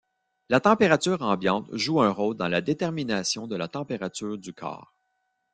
La température ambiante joue un rôle dans la détermination de la température du corps.